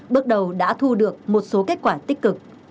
bước đầu đã thu được một số kết quả tích cực